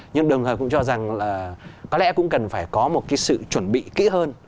nhưng đồng thời cũng cho rằng là có lẽ cũng cần phải có một cái sự chuẩn bị kỹ hơn